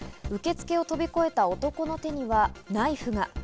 受け付けを飛び越えた男の手にはナイフが。